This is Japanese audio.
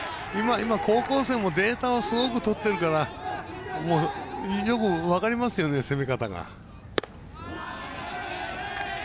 今、高校生もデータをすごく取ってるからよく分かりますよね、攻め方が。